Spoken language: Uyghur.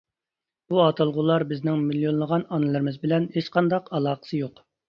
بۇ ئاتالغۇلار بىزنىڭ مىليونلىغان ئانىلىرىمىز بىلەن ھېچقانداق ئالاقىسى يوق.